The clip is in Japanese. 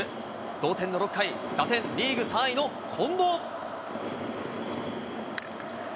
同点の６回、打点リーグ３位の近藤。